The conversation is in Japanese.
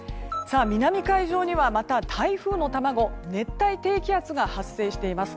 南海上にはまた台風の卵、熱帯低気圧が発生しています。